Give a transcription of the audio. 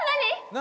何？